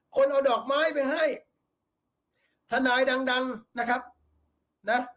คนเอาดอกไม้ไปให้ทนายดังดังนะครับนะ